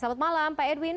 selamat malam pak edwin